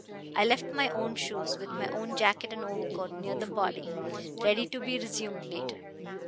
I left my own shoes, with my own jacket and overcoat, near the body, ready to be resumed later.